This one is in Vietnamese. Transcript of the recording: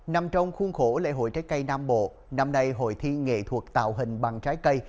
nằm trong khuôn khổ lễ hội trái cây nam bộ năm nay hội thi nghệ thuật tạo hình bằng trái cây